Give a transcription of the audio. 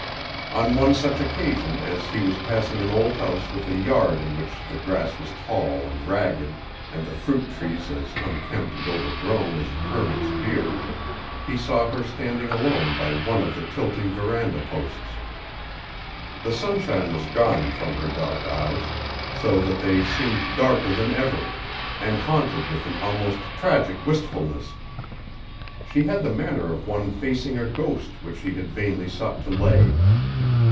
On one such occasion as he was passing an old house with a yard in which the grass was tall and ragged and the fruit trees as unkempt and overgrown as a hermit's beard he saw her standing alone by one of the tilting veranda posts. The sunshine was gone from her dark eyes, so that they seemed darker than ever and haunted with an almost tragic wistfulness. She had the manner of one facing a ghost which she had vainly sought to lay.